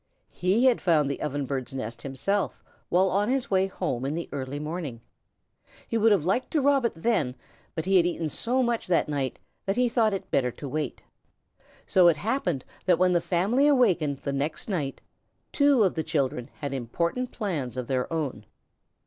He had found the Ovenbird's nest himself, while on his way home in the early morning. He would have liked to rob it then, but he had eaten so much that night that he thought it better to wait. So it happened that when the family awakened the next night two of the children had important plans of their own.